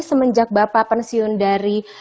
semenjak bapak pensiun dari